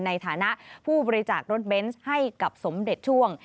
ในฐานะผู้บริจาครถเบนส์ให้กับสมเด็จช่วง